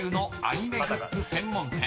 アニメグッズ専門店？